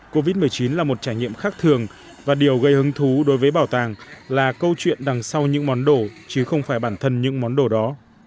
covid một mươi chín là một trải nghiệm khác thường và điều gây hứng thú đối với bảo tàng là câu chuyện đằng sau những món đồ chứ không phải bản thân những món đồ đó